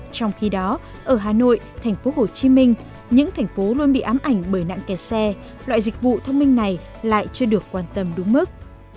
trong khi đó ở hà nội thành phố hồ chí minh những thành phố luôn bị ám ảnh bởi nạn kẹt xe loại dịch vụ thông minh này lại chưa được quan tâm đúng mức